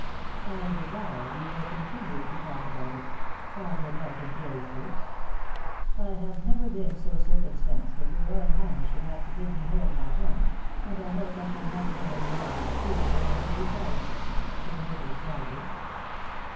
"I desire you will continue to talk about it!" cried Rodolph, imperiously. "I have never been so circumstanced that your royal highness should have to bid me hold my tongue, and I hope I shall not now be ordered to speak when I should be silent," said Murphy, proudly.